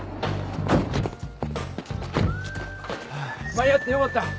間に合ってよかった。